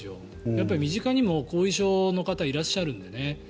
やっぱり、身近にも後遺症の方いらっしゃるのでね。